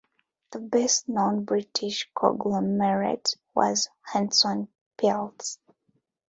The best known British conglomerate was Hanson plc.